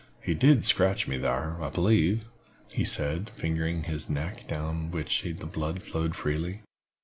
He did scratch me thar, I believe," he said, fingering his neck, down which the blood flowed freely.